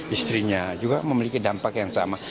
istrinya juga memiliki dampak yang sama